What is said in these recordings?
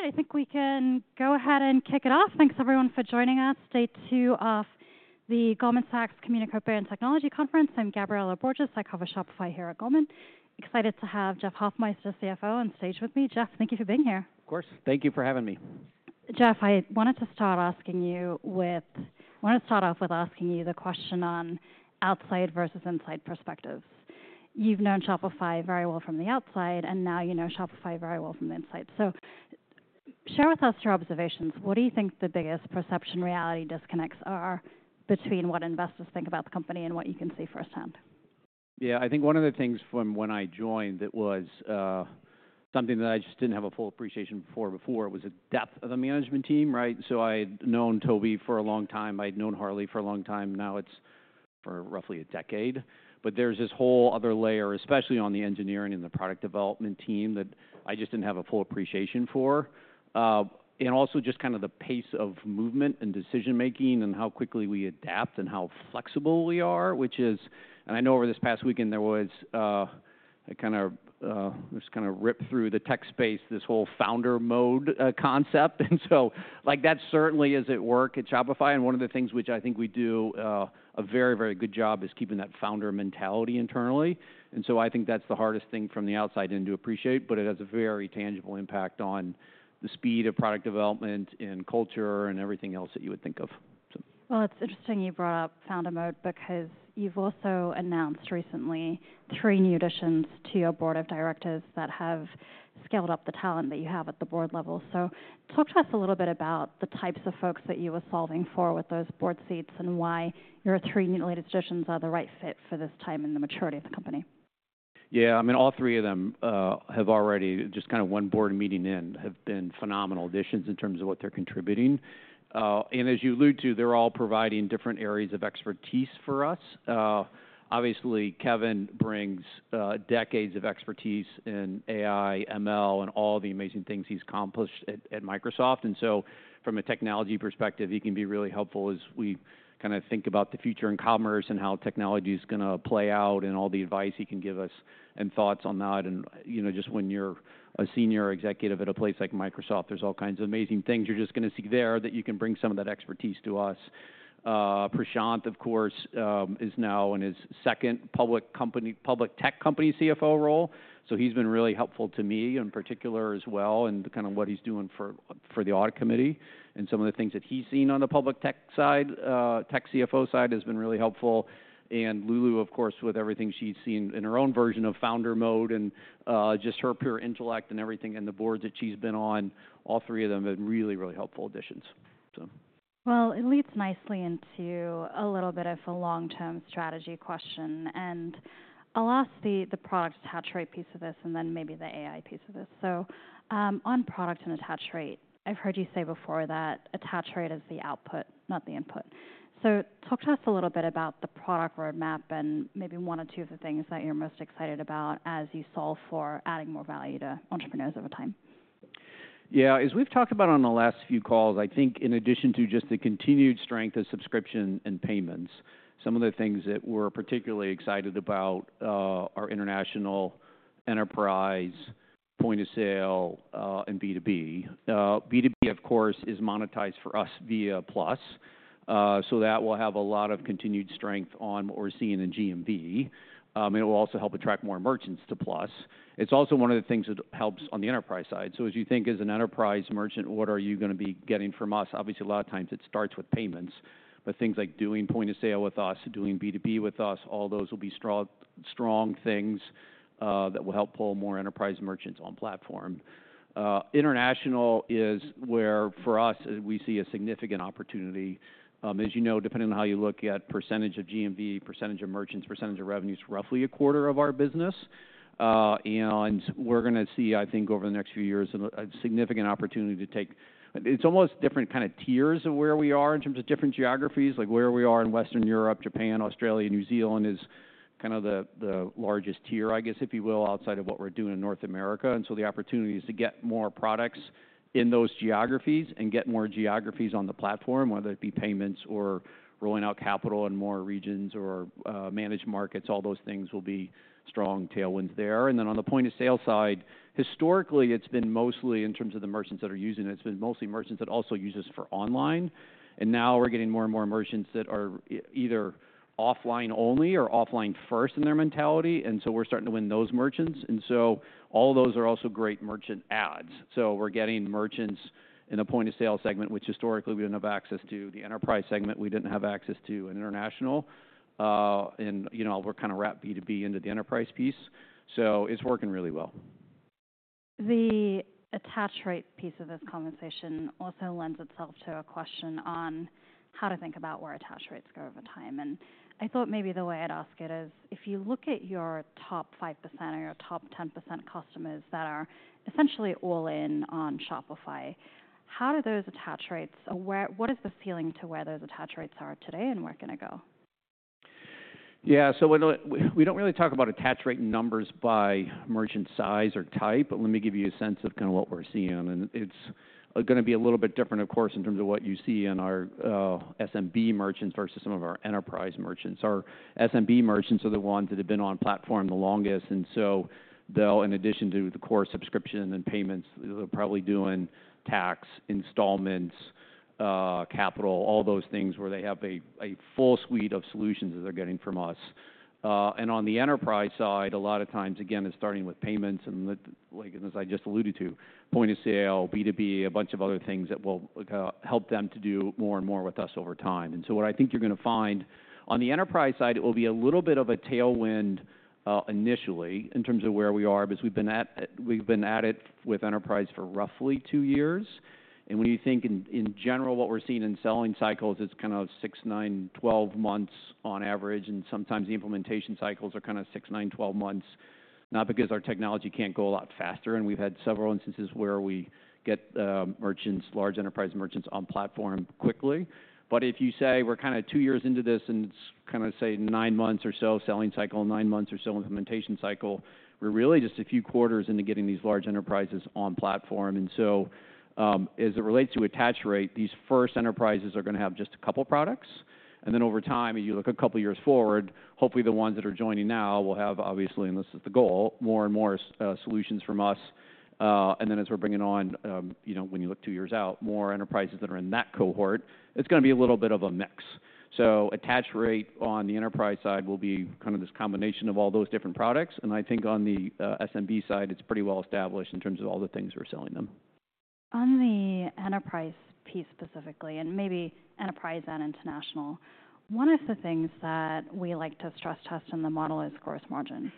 All right, I think we can go ahead and kick it off. Thanks, everyone, for joining us. Day two of the Goldman Sachs Communications and Technology Conference. I'm Gabriela Borges. I cover Shopify here at Goldman. Excited to have Jeff Hoffmeister, CFO, on stage with me. Jeff, thank you for being here. Of course. Thank you for having me. Jeff, I want to start off with asking you the question on outside versus inside perspectives. You've known Shopify very well from the outside, and now you know Shopify very well from the inside. So share with us your observations. What do you think the biggest perception-reality disconnects are between what investors think about the company and what you can see firsthand? Yeah, I think one of the things from when I joined that was something that I just didn't have a full appreciation for before was the depth of the management team, right? So I'd known Tobi for a long time. I'd known Harley for a long time. Now it's for roughly a decade. But there's this whole other layer, especially on the engineering and the product development team, that I just didn't have a full appreciation for. And also just kind of the pace of movement and decision-making and how quickly we adapt and how flexible we are, which is... And I know over this past weekend, there was a kind of just kind of ripped through the tech space, this whole Founder Mode concept. And so, like, that certainly is at work at Shopify, and one of the things which I think we do a very, very good job is keeping that founder mentality internally. And so I think that's the hardest thing from the outside in to appreciate, but it has a very tangible impact on the speed of product development and culture and everything else that you would think of, so. It's interesting you brought up Founder Mode because you've also announced recently three new additions to your board of directors that have scaled up the talent that you have at the board level. Talk to us a little bit about the types of folks that you were solving for with those board seats and why your three new directors are the right fit for this time in the maturity of the company. Yeah, I mean, all three of them have already, just kind of one board meeting in, have been phenomenal additions in terms of what they're contributing. And as you allude to, they're all providing different areas of expertise for us. Obviously, Kevin brings decades of expertise in AI, ML, and all the amazing things he's accomplished at Microsoft. And so from a technology perspective, he can be really helpful as we kinda think about the future in commerce and how technology is gonna play out and all the advice he can give us and thoughts on that. And, you know, just when you're a senior executive at a place like Microsoft, there's all kinds of amazing things you're just gonna see there, that you can bring some of that expertise to us. Prashanth, of course, is now in his second public company, public tech company CFO role, so he's been really helpful to me in particular as well, and kind of what he's doing for the audit committee. Some of the things that he's seen on the public tech side, tech CFO side, has been really helpful. Lulu, of course, with everything she's seen in her own version of Founder Mode and just her pure intellect and everything in the boards that she's been on, all three of them have been really, really helpful additions, so. It leads nicely into a little bit of a long-term strategy question, and I'll ask the product attach rate piece of this and then maybe the AI piece of this. So, on product and attach rate, I've heard you say before that attach rate is the output, not the input. So talk to us a little bit about the product roadmap and maybe one or two of the things that you're most excited about as you solve for adding more value to entrepreneurs over time. Yeah. As we've talked about on the last few calls, I think in addition to just the continued strength of subscription and payments, some of the things that we're particularly excited about are international, enterprise, Point of Sale, and B2B. B2B, of course, is monetized for us via Plus, so that will have a lot of continued strength on what we're seeing in GMV. It will also help attract more merchants to Plus. It's also one of the things that helps on the enterprise side. So as you think as an enterprise merchant, what are you gonna be getting from us? Obviously, a lot of times it starts with payments, but things like doing Point of Sale with us, doing B2B with us, all those will be strong, strong things that will help pull more enterprise merchants on platform. International is where, for us, we see a significant opportunity. As you know, depending on how you look at percentage of GMV, percentage of merchants, percentage of revenues, roughly a quarter of our business, and we're gonna see, I think, over the next few years, a significant opportunity to take. It's almost different kind of tiers of where we are in terms of different geographies. Like where we are in Western Europe, Japan, Australia, New Zealand is kind of the largest tier, I guess, if you will, outside of what we're doing in North America, and so the opportunity is to get more products in those geographies and get more geographies on the platform, whether it be Payments or rolling out Capital in more regions or Managed Markets. All those things will be strong tailwinds there. Then on the Point of Sale side, historically, it's been mostly in terms of the merchants that are using it. It's been mostly merchants that also use us for online. Now we're getting more and more merchants that are either offline only or offline first in their mentality, and so we're starting to win those merchants. And so all those are also great merchant ads. So we're getting merchants in a Point of Sale segment, which historically we didn't have access to, the enterprise segment we didn't have access to, and international. You know, we're kind of wrapping B2B into the enterprise piece, so it's working really well. The attach rate piece of this conversation also lends itself to a question on how to think about where attach rates go over time. And I thought maybe the way I'd ask it is, if you look at your top 5% or your top 10% customers that are essentially all in on Shopify, how do those attach rates, where, what is the ceiling to where those attach rates are today and where can it go? Yeah. We don't really talk about attach rate numbers by merchant size or type, but let me give you a sense of kinda what we're seeing. And it's gonna be a little bit different, of course, in terms of what you see in our SMB merchants versus some of our enterprise merchants. Our SMB merchants are the ones that have been on platform the longest, and so they'll, in addition to the Core subscription and payments, they're probably doing Tax, Installments, Capital, all those things where they have a full suite of solutions that they're getting from us. And on the enterprise side, a lot of times, again, it's starting with payments and the like, as I just alluded to, Point of Sale, B2B, a bunch of other things that will help them to do more and more with us over time. And so what I think you're gonna find, on the enterprise side, it will be a little bit of a tailwind, initially, in terms of where we are, because we've been at it with enterprise for roughly two years. And when you think in general, what we're seeing in selling cycles, it's kind of six, nine, 12 months on average, and sometimes the implementation cycles are kinda six, nine, 12 months, not because our technology can't go a lot faster, and we've had several instances where we get merchants, large enterprise merchants, on platform quickly. But if you say we're kinda two years into this, and it's kinda, say, nine months or so selling cycle, nine months or so implementation cycle, we're really just a few quarters into getting these large enterprises on platform. And so, as it relates to attach rate, these first enterprises are gonna have just a couple products, and then over time, as you look a couple of years forward, hopefully, the ones that are joining now will have, obviously, and this is the goal, more and more, solutions from us. And then as we're bringing on, you know, when you look two years out, more enterprises that are in that cohort, it's gonna be a little bit of a mix. Attach Rate on the enterprise side will be kind of this combination of all those different products, and I think on the SMB side, it's pretty well established in terms of all the things we're selling them. On the enterprise piece, specifically, and maybe enterprise and international, one of the things that we like to stress test in the model is gross margin,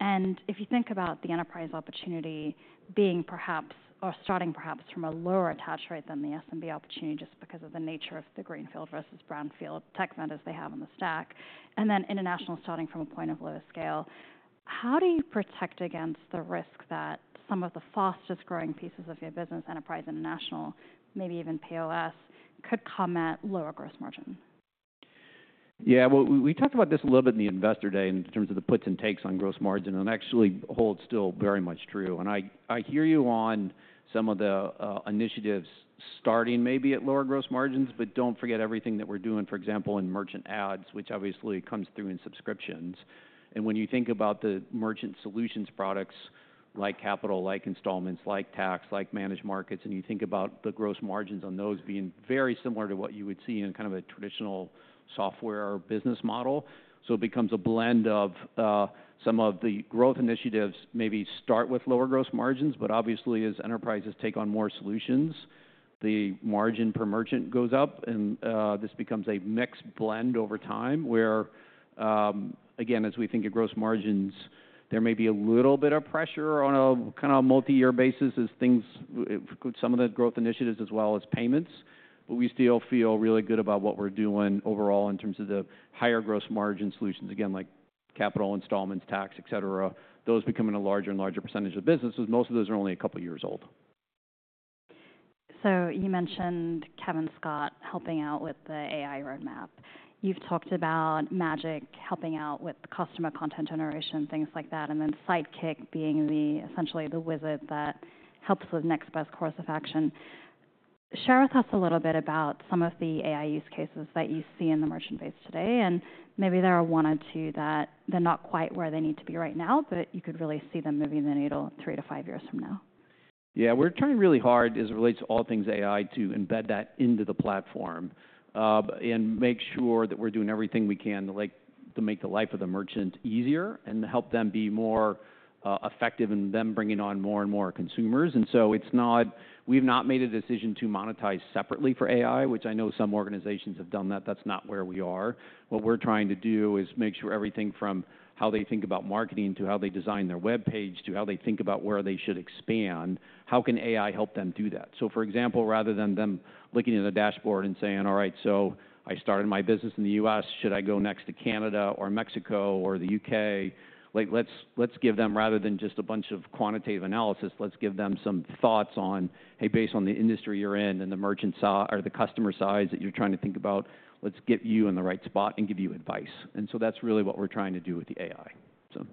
and if you think about the enterprise opportunity being perhaps or starting perhaps from a lower attach rate than the SMB opportunity, just because of the nature of the greenfield versus brownfield tech vendors they have in the stack, and then international, starting from a point of lower scale, how do you protect against the risk that some of the fastest-growing pieces of your business, enterprise, international, maybe even POS, could come at lower gross margin? Yeah, well, we talked about this a little bit in the Investor Day in terms of the puts and takes on gross margin, and actually, holds still very much true. And I hear you on some of the initiatives starting maybe at lower gross margins, but don't forget everything that we're doing, for example, in merchant ads, which obviously comes through in subscriptions. And when you think about the Merchant Solutions products like Capital, like Installments, like Tax, like Managed Markets, and you think about the gross margins on those being very similar to what you would see in kind of a traditional software or business model. So it becomes a blend of some of the growth initiatives, maybe start with lower gross margins, but obviously, as enterprises take on more solutions, the margin per merchant goes up, and this becomes a mixed blend over time, where again, as we think of gross margins, there may be a little bit of pressure on a kinda multi-year basis as some of the growth initiatives as well as payments, but we still feel really good about what we're doing overall in terms of the higher gross margin solutions. Again, like Capital, Installments, Tax, et cetera. Those becoming a larger and larger percentage of the business, as most of those are only a couple of years old. So you mentioned Kevin Scott helping out with the AI roadmap. You've talked about Magic helping out with customer content generation, things like that, and then Sidekick being the, essentially the wizard that helps with next best course of action. Share with us a little bit about some of the AI use cases that you see in the merchant base today, and maybe there are one or two that they're not quite where they need to be right now, but you could really see them moving the needle three to five years from now. Yeah, we're trying really hard, as it relates to all things AI, to embed that into the platform, and make sure that we're doing everything we can to, like, to make the life of the merchant easier and to help them be more effective in them bringing on more and more consumers. And so it's not. We've not made a decision to monetize separately for AI, which I know some organizations have done that. That's not where we are. What we're trying to do is make sure everything from how they think about marketing, to how they design their web page, to how they think about where they should expand, how can AI help them do that? So, for example, rather than them looking at a dashboard and saying, "All right, so I started my business in the U.S., should I go next to Canada or Mexico or the U.K.?" Like, let's give them, rather than just a bunch of quantitative analysis, let's give them some thoughts on, "Hey, based on the industry you're in and the merchant or the customer size that you're trying to think about, let's get you in the right spot and give you advice." And so that's really what we're trying to do with the AI. So...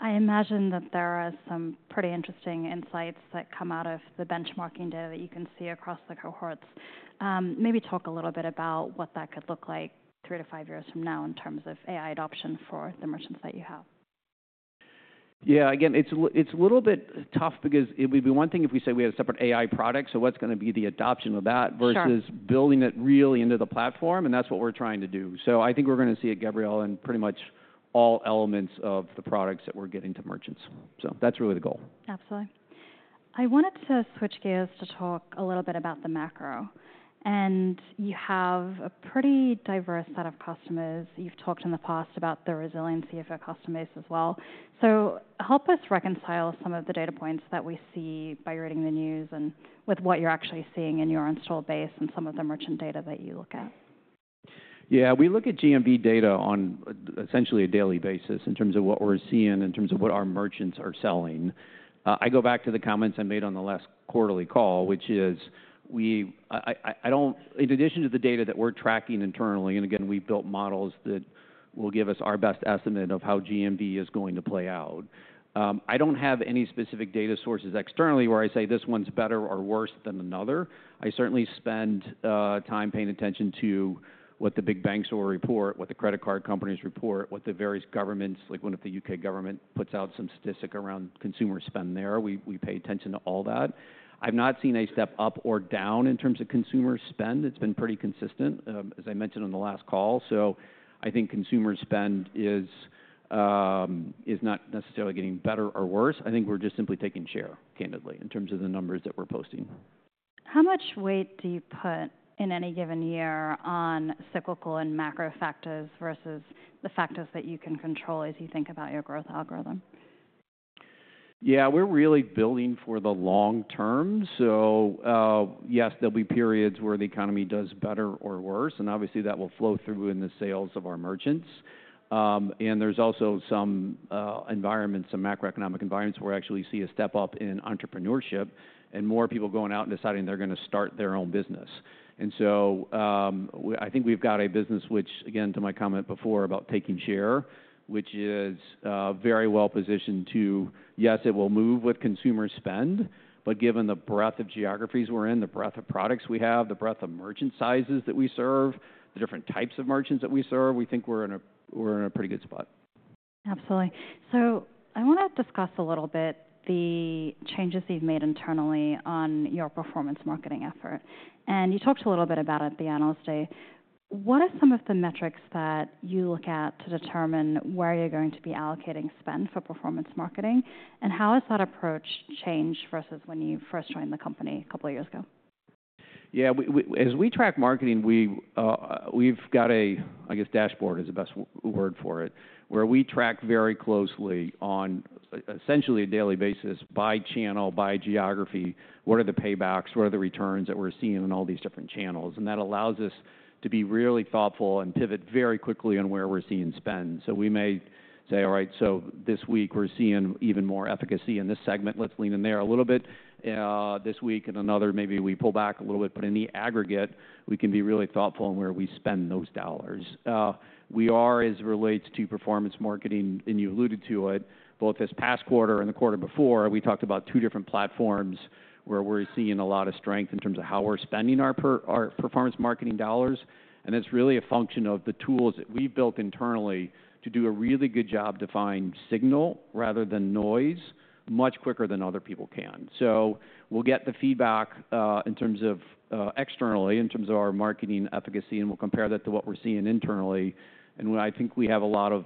I imagine that there are some pretty interesting insights that come out of the benchmarking data that you can see across the cohorts. Maybe talk a little bit about what that could look like three to five years from now in terms of AI adoption for the merchants. that you have. Yeah, again, it's a little bit tough because it would be one thing if we say we had a separate AI product, so what's gonna be the adoption of that- Sure.... versus building it really into the platform, and that's what we're trying to do. So I think we're gonna see it, Gabriela, in pretty much all elements of the products that we're getting to merchants. So that's really the goal. Absolutely. I wanted to switch gears to talk a little bit about the macro, and you have a pretty diverse set of customers. You've talked in the past about the resiliency of your customer base as well, so help us reconcile some of the data points that we see by reading the news and with what you're actually seeing in your installed base and some of the merchant data that you look at. Yeah, we look at GMV data on essentially a daily basis in terms of what we're seeing, in terms of what our merchants are selling. I go back to the comments I made on the last quarterly call, which is we don't. In addition to the data that we're tracking internally, and again, we've built models that will give us our best estimate of how GMV is going to play out. I don't have any specific data sources externally, where I say, this one's better or worse than another. I certainly spend time paying attention to what the big banks will report, what the credit card companies report, what the various governments, like when the U.K. government puts out some statistic around consumer spend there, we pay attention to all that. I've not seen a step up or down in terms of consumer spend. It's been pretty consistent, as I mentioned on the last call. So I think consumer spend is not necessarily getting better or worse. I think we're just simply taking share, candidly, in terms of the numbers that we're posting. How much weight do you put in any given year on cyclical and macro factors versus the factors that you can control as you think about your growth algorithm? Yeah, we're really building for the long term. So, yes, there'll be periods where the economy does better or worse, and obviously, that will flow through in the sales of our merchants. And there's also some environments, some macroeconomic environments, where we actually see a step up in entrepreneurship and more people going out and deciding they're going to start their own business. And so, I think we've got a business which, again, to my comment before about taking share, which is very well positioned to... Yes, it will move what consumers spend, but given the breadth of geographies we're in, the breadth of products we have, the breadth of merchant sizes that we serve, the different types of merchants that we serve, we think we're in a pretty good spot. Absolutely. So I want to discuss a little bit the changes that you've made internally on your performance marketing effort. And you talked a little bit about it at the Analyst Day. What are some of the metrics that you look at to determine where you're going to be allocating spend for performance marketing? And how has that approach changed versus when you first joined the company a couple of years ago? Yeah, we as we track marketing, we've got a, I guess, dashboard is the best word for it, where we track very closely on essentially a daily basis, by channel, by geography, what are the paybacks, what are the returns that we're seeing in all these different channels? And that allows us to be really thoughtful and pivot very quickly on where we're seeing spend. So we may say, "All right, so this week we're seeing even more efficacy in this segment. Let's lean in there a little bit, this week and another, maybe we pull back a little bit." But in the aggregate, we can be really thoughtful in where we spend those dollars. We are, as it relates to performance marketing, and you alluded to it, both this past quarter and the quarter before. We talked about two different platforms, where we're seeing a lot of strength in terms of how we're spending our performance marketing dollars. And it's really a function of the tools that we've built internally to do a really good job to find signal rather than noise, much quicker than other people can. So we'll get the feedback, in terms of, externally, in terms of our marketing efficacy, and we'll compare that to what we're seeing internally. I think we have a lot of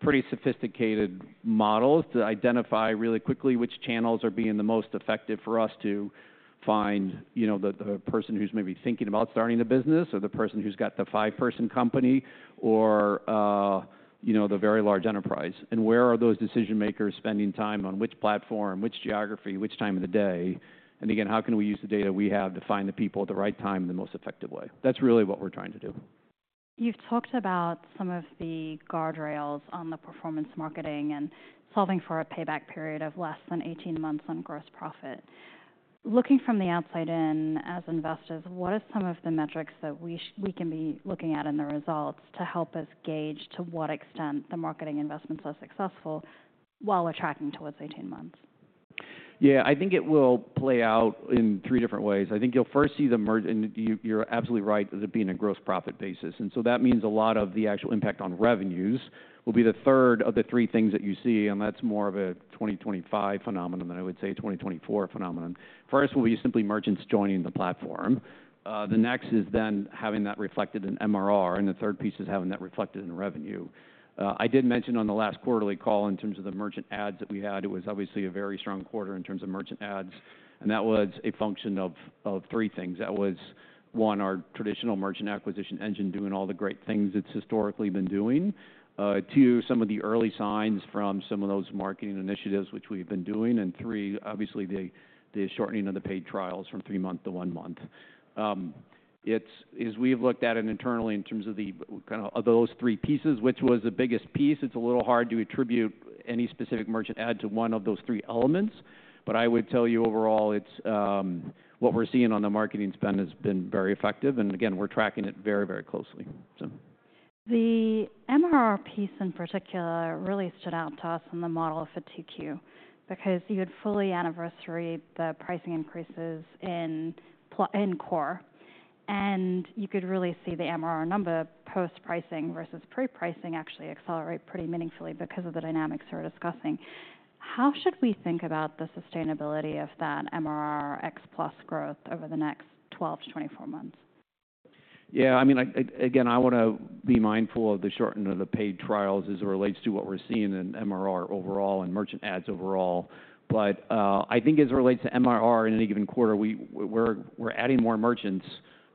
pretty sophisticated models to identify really quickly which channels are being the most effective for us to find, you know, the person who's maybe thinking about starting a business or the person who's got the five-person company or, you know, the very large enterprise. Where are those decision-makers spending time on which platform, which geography, which time of the day? Again, how can we use the data we have to find the people at the right time in the most effective way? That's really what we're trying to do. You've talked about some of the guardrails on the performance marketing and solving for a payback period of less than eighteen months on gross profit. Looking from the outside in, as investors, what are some of the metrics that we can be looking at in the results to help us gauge to what extent the marketing investments are successful while attracting towards eighteen months? Yeah, I think it will play out in three different ways. I think you'll first see the merchants and you, you're absolutely right, it being a gross profit basis. And so that means a lot of the actual impact on revenues will be the third of the three things that you see, and that's more of a 2025 phenomenon than I would say, a 2024 phenomenon. First, will be simply merchants joining the platform. The next is then having that reflected in MRR, and the third piece is having that reflected in revenue. I did mention on the last quarterly call in terms of the merchant ads that we had, it was obviously a very strong quarter in terms of merchant ads, and that was a function of three things. That was, one, our traditional merchant acquisition engine doing all the great things it's historically been doing. Two, some of the early signs from some of those marketing initiatives which we've been doing. And three, obviously, the shortening of the paid trials from three months to one month. It's. As we've looked at it internally in terms of kind of those three pieces, which was the biggest piece, it's a little hard to attribute any specific merchant add to one of those three elements, but I would tell you overall, it's what we're seeing on the marketing spend has been very effective, and again, we're tracking it very, very closely, so. The MRR piece, in particular, really stood out to us in the model for 2Q because you had fully anniversaried the pricing increases in Plus - in Core, and you could really see the MRR number post-pricing versus pre-pricing actually accelerate pretty meaningfully because of the dynamics we're discussing. How should we think about the sustainability of that MRR ex-Plus growth over the next 12-24 months? Yeah, I mean, again, I want to be mindful of the shortening of the paid trials as it relates to what we're seeing in MRR overall and merchant ads overall. But I think as it relates to MRR in any given quarter, we're adding more merchants,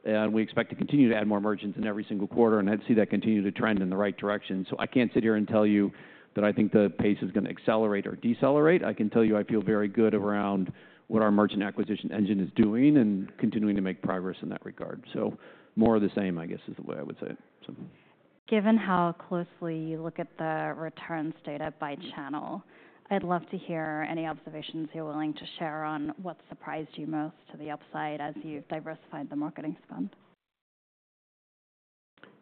and we expect to continue to add more merchants in every single quarter, and I see that continue to trend in the right direction. So I can't sit here and tell you that I think the pace is going to accelerate or decelerate. I can tell you I feel very good around what our merchant acquisition engine is doing and continuing to make progress in that regard. So more of the same, I guess, is the way I would say. So... Given how closely you look at the returns data by channel, I'd love to hear any observations you're willing to share on what surprised you most to the upside as you've diversified the marketing spend?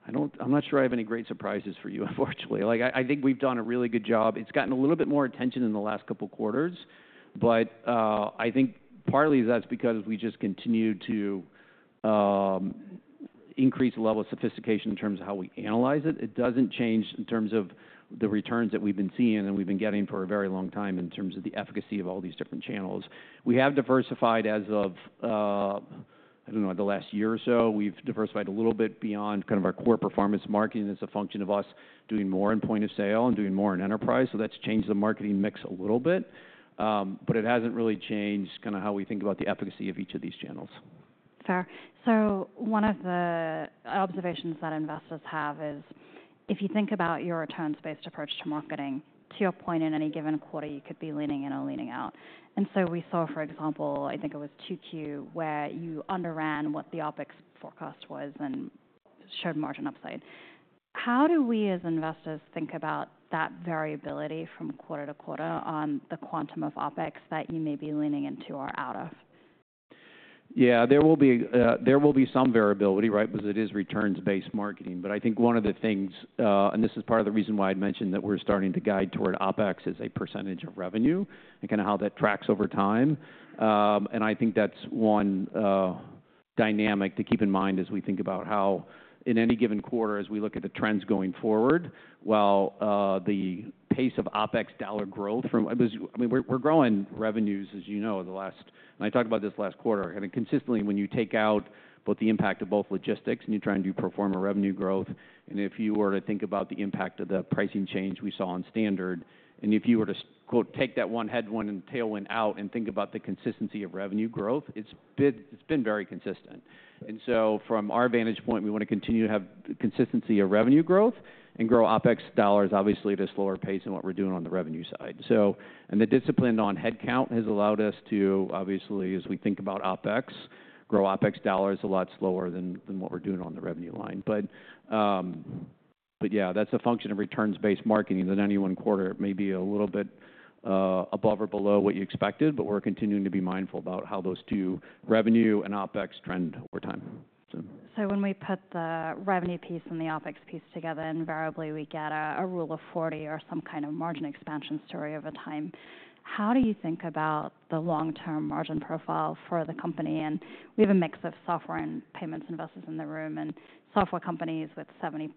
I'm not sure I have any great surprises for you, unfortunately. Like, I think we've done a really good job. It's gotten a little bit more attention in the last couple quarters, but I think partly that's because we just continue to increase the level of sophistication in terms of how we analyze it. It doesn't change in terms of the returns that we've been seeing and we've been getting for a very long time in terms of the efficacy of all these different channels. We have diversified as of, I don't know, the last year or so. We've diversified a little bit beyond kind of our Core performance marketing. It's a function of us doing more in Point of Sale and doing more in enterprise, so that's changed the marketing mix a little bit. But it hasn't really changed kinda how we think about the efficacy of each of these channels. Fair. So one of the observations that investors have is, if you think about your returns-based approach to marketing, to your point, in any given quarter, you could be leaning in or leaning out. And so we saw, for example, I think it was 2Q, where you underran what the OpEx forecast was and showed margin upside. How do we, as investors, think about that variability from quarter to quarter on the quantum of OpEx that you may be leaning into or out of? Yeah, there will be some variability, right? Because it is returns-based marketing. But I think one of the things, and this is part of the reason why I'd mentioned that we're starting to guide toward OpEx as a percentage of revenue and kinda how that tracks over time. And I think that's one dynamic to keep in mind as we think about how, in any given quarter, as we look at the trends going forward, while the pace of OpEx dollar growth from... I mean, we're growing revenues, as you know, the last -- and I talked about this last quarter. I mean, consistently, when you take out both the impact of both logistics and you try and do pro forma revenue growth, and if you were to think about the impact of the pricing change we saw on Standard, and if you were to, quote, "Take that one headwind and tailwind out," and think about the consistency of revenue growth, it's been, it's been very consistent. And so from our vantage point, we wanna continue to have consistency of revenue growth and grow OpEx dollars, obviously, at a slower pace than what we're doing on the revenue side. So, and the discipline on headcount has allowed us to, obviously, as we think about OpEx, grow OpEx dollars a lot slower than, than what we're doing on the revenue line. But yeah, that's a function of returns-based marketing, that any one quarter, it may be a little bit above or below what you expected, but we're continuing to be mindful about how those two, revenue and OpEx, trend over time, so. So when we put the revenue piece and the OpEx piece together, invariably we get a Rule of 40 or some kind of margin expansion story over time. How do you think about the long-term margin profile for the company? We have a mix of software and payments investors in the room, and software companies with 70%+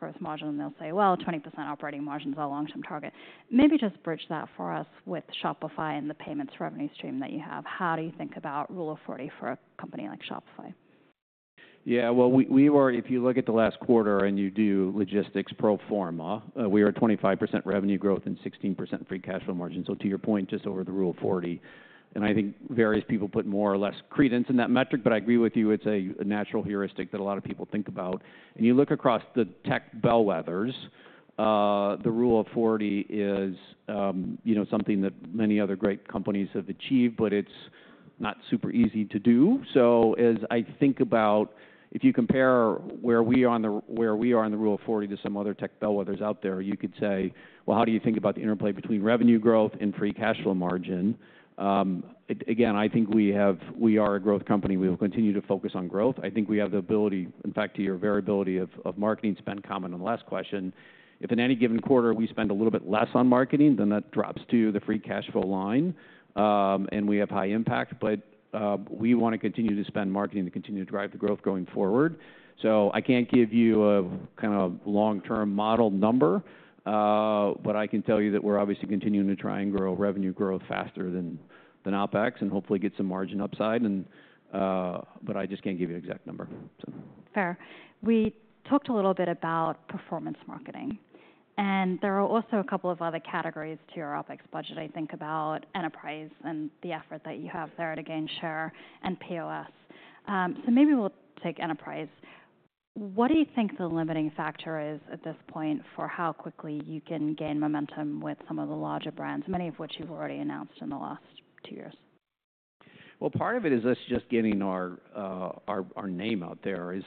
gross margin, they'll say, "Well, 20% operating margin is our long-term target." Maybe just bridge that for us with Shopify and the payments revenue stream that you have. How do you think about the Rule of 40 for a company like Shopify? Yeah, well, if you look at the last quarter and you do logistics pro forma, we are at 25% revenue growth and 16% free cash flow margin. So to your point, just over the Rule of 40, and I think various people put more or less credence in that metric, but I agree with you, it's a natural heuristic that a lot of people think about. You look across the tech bellwethers, the Rule of 40 is, you know, something that many other great companies have achieved, but it's not super easy to do. As I think about if you compare where we are on the Rule of 40 to some other tech bellwethers out there, you could say, "Well, how do you think about the interplay between revenue growth and free cash flow margin?" Again, I think we are a growth company. We will continue to focus on growth. I think we have the ability. In fact, to your variability of marketing spend comment on the last question, if in any given quarter, we spend a little bit less on marketing, then that drops to the free cash flow line, and we have high impact, but we wanna continue to spend marketing to continue to drive the growth going forward. So I can't give you a kind of long-term model number, but I can tell you that we're obviously continuing to try and grow revenue growth faster than OpEx, and hopefully get some margin upside and. But I just can't give you an exact number, so. Fair. We talked a little bit about performance marketing, and there are also a couple of other categories to your OpEx budget. I think about enterprise and the effort that you have there to gain share and POS. So maybe we'll take enterprise. What do you think the limiting factor is at this point for how quickly you can gain momentum with some of the larger brands, many of which you've already announced in the last two years? Part of it is us just getting our name out there. As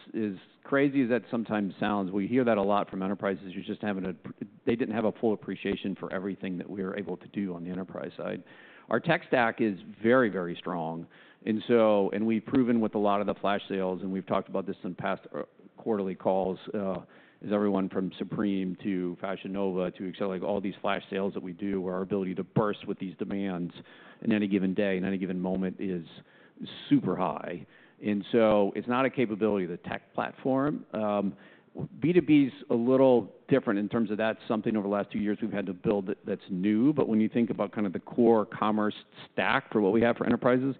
crazy as that sometimes sounds, we hear that a lot from enterprises, who just haven't. They didn't have a full appreciation for everything that we are able to do on the enterprise side. Our tech stack is very, very strong, and so, and we've proven with a lot of the flash sales, and we've talked about this in past quarterly calls is everyone from Supreme to Fashion Nova to Alphalete, like, all these flash sales that we do, our ability to burst with these demands in any given day, in any given moment, is super high. And so it's not a capability of the tech platform. B2B's a little different in terms of that's something over the last two years we've had to build that's new, but when you think about kind of the Core commerce stack for what we have for enterprises,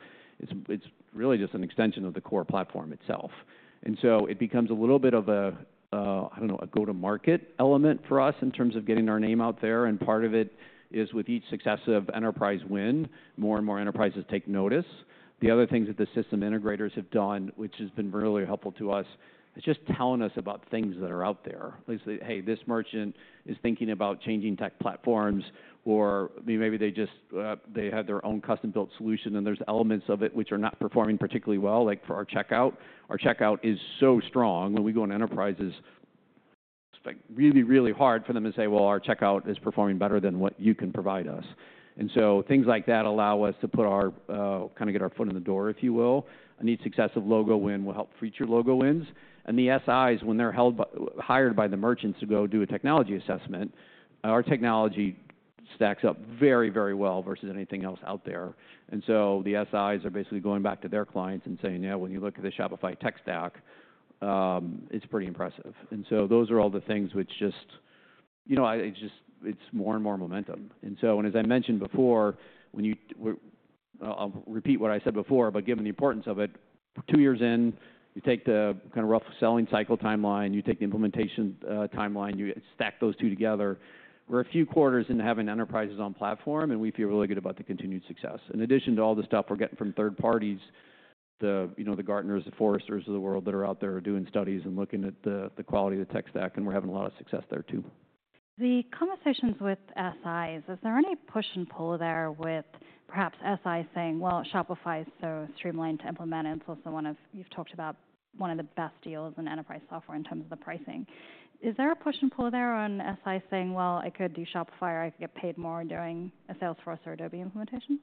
it's really just an extension of the Core platform itself. So it becomes a little bit of a, I don't know, a go-to-market element for us in terms of getting our name out there, and part of it is with each successive enterprise win, more and more enterprises take notice. The other things that the system integrators have done, which has been really helpful to us, is just telling us about things that are out there. They say, "Hey, this merchant is thinking about changing tech platforms," or maybe they just they had their own custom-built solution, and there's elements of it which are not performing particularly well, like for our checkout. Our checkout is so strong. When we go into enterprises, like really, really hard for them to say, "Well, our checkout is performing better than what you can provide us." Things like that allow us to put our kind of get our foot in the door, if you will. Each successive logo win will help future logo wins. The SIs, when they're hired by the merchants to go do a technology assessment, our technology stacks up very, very well versus anything else out there. And so the SIs are basically going back to their clients and saying, "Yeah, when you look at the Shopify tech stack, it's pretty impressive." And so those are all the things which just, you know, it's just, it's more and more momentum. And so as I mentioned before, I'll, I'll repeat what I said before, but given the importance of it, two years in, you take the kind of rough selling cycle timeline, you take the implementation timeline, you stack those two together. We're a few quarters into having enterprises on platform, and we feel really good about the continued success. In addition to all the stuff we're getting from third parties, the, you know, the Gartners, the Forresters of the world that are out there doing studies and looking at the quality of the tech stack, and we're having a lot of success there, too. The conversations with SIs, is there any push and pull there with perhaps SIs saying: Well, Shopify is so streamlined to implement, and it's also one of-- you've talked about one of the best deals in enterprise software in terms of the pricing. Is there a push and pull there on SIs saying: Well, I could do Shopify, or I could get paid more doing a Salesforce or Adobe implementation?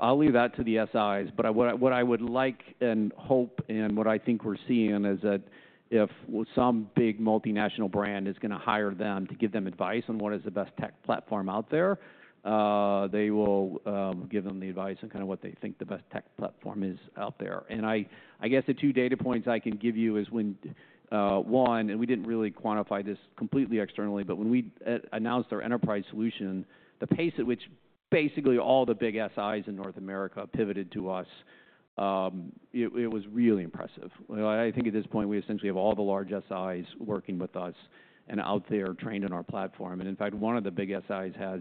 I'll leave that to the SIs, but what I would like and hope and what I think we're seeing is that if some big multinational brand is gonna hire them to give them advice on what is the best tech platform out there, they will give them the advice on kind of what they think the best tech platform is out there. And I guess the two data points I can give you is when one, and we didn't really quantify this completely externally, but when we announced our enterprise solution, the pace at which basically all the big SIs in North America pivoted to us, it was really impressive. I think at this point, we essentially have all the large SIs working with us and out there trained on our platform. And in fact, one of the big SIs has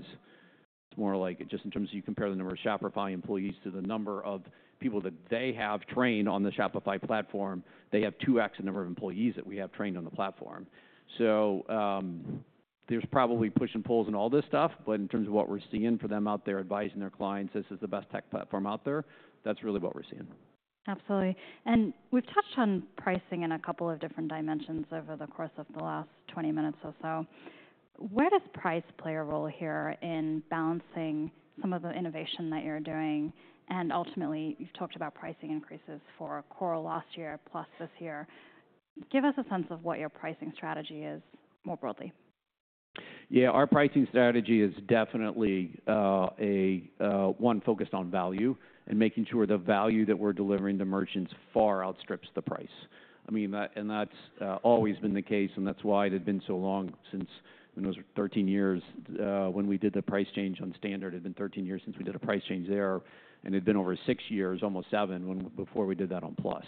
more like, just in terms of you compare the number of Shopify employees to the number of people that they have trained on the Shopify platform, they have two X the number of employees that we have trained on the platform. So, there's probably push and pulls in all this stuff, but in terms of what we're seeing for them out there advising their clients, this is the best tech platform out there. That's really what we're seeing. Absolutely. And we've touched on pricing in a couple of different dimensions over the course of the last twenty minutes or so. Where does price play a role here in balancing some of the innovation that you're doing? And ultimately, you've talked about pricing increases for Core last year, plus this year. Give us a sense of what your pricing strategy is more broadly. Yeah, our pricing strategy is definitely a one focused on value and making sure the value that we're delivering to merchants far outstrips the price. I mean, that and that's always been the case, and that's why it had been so long since, when was it, thirteen years, when we did the price change on Standard. It had been thirteen years since we did a price change there, and it had been over six years, almost seven, when before we did that on Plus.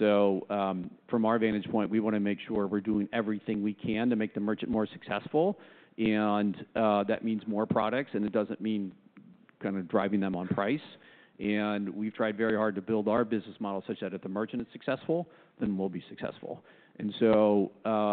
So, from our vantage point, we wanna make sure we're doing everything we can to make the merchant more successful, and that means more products, and it doesn't mean kind of driving them on price. And we've tried very hard to build our business model such that if the merchant is successful, then we'll be successful. And so,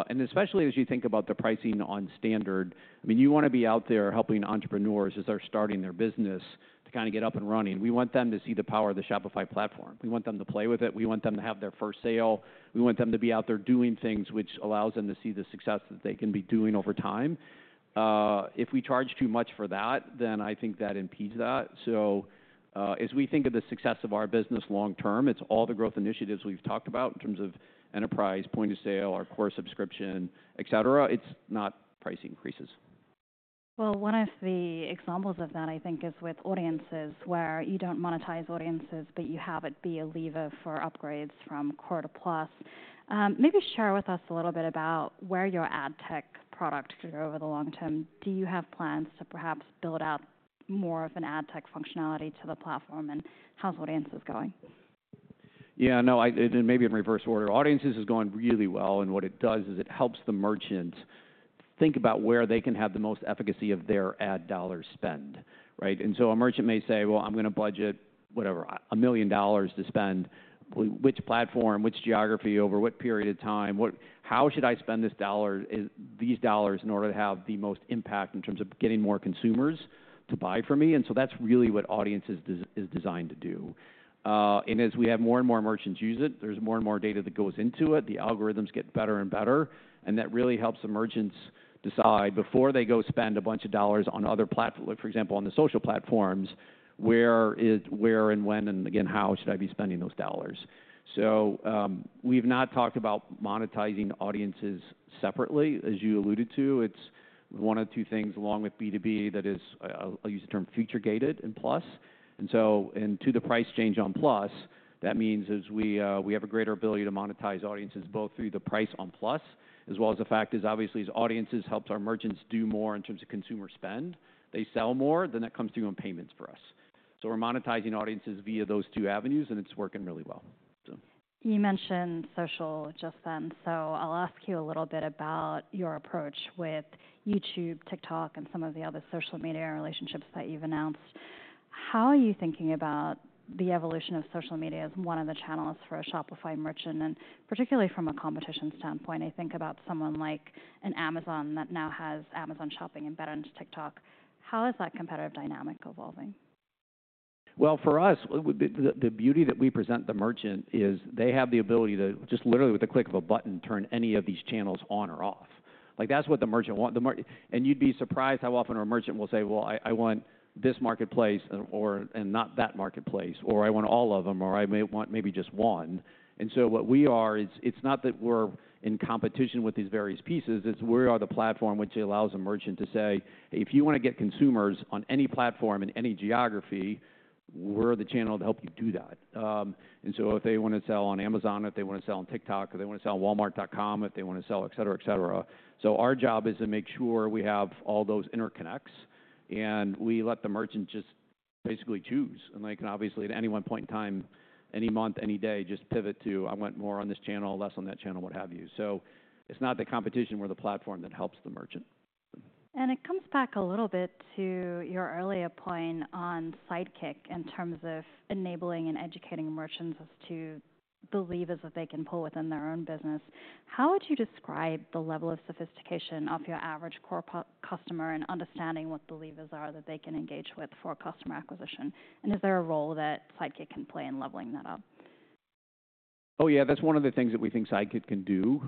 and especially as you think about the pricing on Standard, I mean, you wanna be out there helping entrepreneurs as they're starting their business to kind of get up and running. We want them to see the power of the Shopify platform. We want them to play with it. We want them to have their first sale. We want them to be out there doing things which allows them to see the success that they can be doing over time. If we charge too much for that, then I think that impedes that. So, as we think of the success of our business long term, it's all the growth initiatives we've talked about in terms of enterprise, Point of Sale, our Core subscription, et cetera. It's not price increases. One of the examples of that, I think, is with Audiences, where you don't monetize Audiences, but you have it be a lever for upgrades from Core to Plus. Maybe share with us a little bit about where your ad tech product could go over the long term. Do you have plans to perhaps build out more of an ad tech functionality to the platform, and how's Audiences going? Yeah, no. Maybe in reverse order. Audiences is going really well, and what it does is it helps the merchant think about where they can have the most efficacy of their ad dollar spend, right? And so a merchant may say, "Well, I'm gonna budget, whatever, $1 million to spend. Which platform, which geography, over what period of time? How should I spend this dollar, these dollars, in order to have the most impact in terms of getting more consumers to buy from me?" And so that's really what Audiences is designed to do. And as we have more and more merchants use it, there's more and more data that goes into it. The algorithms get better and better, and that really helps the merchants decide before they go spend a bunch of dollars on other platform, for example, on the social platforms, where and when, and again, how should I be spending those dollars? So, we've not talked about monetizing Audiences separately, as you alluded to. It's one of two things along with B2B that is, I'll use the term, feature gated in Plus. And so to the price change on Plus, that means as we, we have a greater ability to monetize Audiences both through the price on Plus, as well as the fact is, obviously, as Audiences helps our merchants do more in terms of consumer spend, they sell more, then that comes through on payments for us. So we're monetizing Audiences via those two avenues, and it's working really well. So... You mentioned social just then, so I'll ask you a little bit about your approach with YouTube, TikTok, and some of the other social media relationships that you've announced. How are you thinking about the evolution of social media as one of the channels for a Shopify merchant, and particularly from a competition standpoint? I think about someone like an Amazon that now has Amazon shopping embedded into TikTok. How is that competitive dynamic evolving?... Well, for us, the beauty that we present the merchant is they have the ability to just literally, with the click of a button, turn any of these channels on or off. Like, that's what the merchants want. And you'd be surprised how often our merchants will say: "Well, I want this marketplace or, and not that marketplace," or, "I want all of them," or, "I may want maybe just one." And so what we are is, it's not that we're in competition with these various pieces, it's we are the platform which allows a merchant to say, "If you want to get consumers on any platform, in any geography, we're the channel to help you do that." And so if they want to sell on Amazon, if they want to sell on TikTok, or they want to sell on Walmart.com, if they want to sell, et cetera, et cetera. So our job is to make sure we have all those interconnects, and we let the merchant just basically choose. They can, obviously, at any one point in time, any month, any day, just pivot to, "I want more on this channel, less on that channel," what have you. It's not the competition. We're the platform that helps the merchant. And it comes back a little bit to your earlier point on Sidekick, in terms of enabling and educating merchants as to the levers that they can pull within their own business. How would you describe the level of sophistication of your average Core Plus customer in understanding what the levers are that they can engage with for customer acquisition? And is there a role that Sidekick can play in leveling that up? Oh, yeah. That's one of the things that we think Sidekick can do.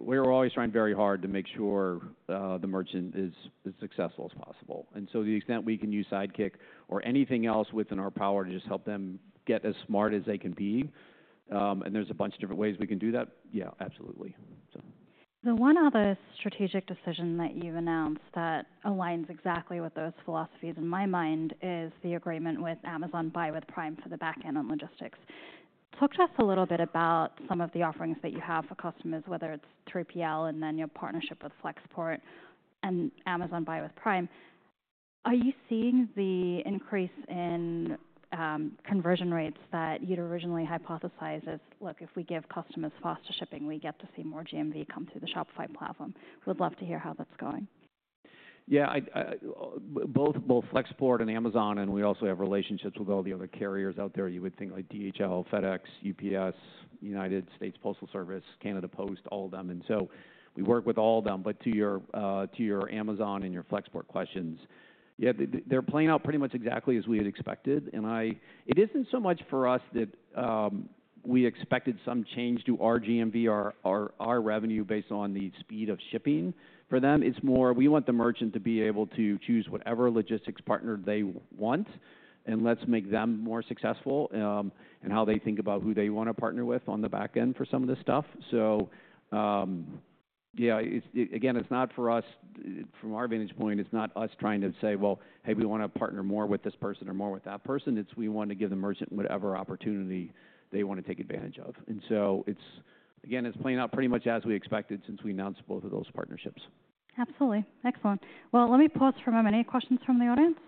We're always trying very hard to make sure the merchant is as successful as possible. And so to the extent we can use Sidekick or anything else within our power to just help them get as smart as they can be, and there's a bunch of different ways we can do that, yeah, absolutely. So. The one other strategic decision that you've announced that aligns exactly with those philosophies, in my mind, is the agreement with Amazon Buy with Prime for the back end on logistics. Talk to us a little bit about some of the offerings that you have for customers, whether it's through 3PL and then your partnership with Flexport and Amazon Buy with Prime. Are you seeing the increase in, conversion rates that you'd originally hypothesized as: Look, if we give customers faster shipping, we get to see more GMV come through the Shopify platform? We'd love to hear how that's going. Yeah, both Flexport and Amazon, and we also have relationships with all the other carriers out there you would think, like DHL, FedEx, UPS, United States Postal Service, Canada Post, all of them. And so we work with all of them. But to your Amazon and your Flexport questions, yeah, they're playing out pretty much exactly as we had expected. It isn't so much for us that we expected some change to our GMV, our revenue, based on the speed of shipping. For them, it's more, we want the merchant to be able to choose whatever logistics partner they want, and let's make them more successful in how they think about who they want to partner with on the back end for some of this stuff. So, yeah, it's, again, it's not for us... From our vantage point, it's not us trying to say, "Well, hey, we want to partner more with this person or more with that person." It's, we want to give the merchant whatever opportunity they want to take advantage of. And so it's, again, it's playing out pretty much as we expected since we announced both of those partnerships. Absolutely. Excellent. Well, let me pause for a moment. Any questions from the audience?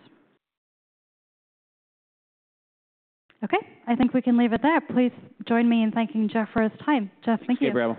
Okay, I think we can leave it there. Please join me in thanking Jeff for his time. Jeff, thank you. Hey, Bravo.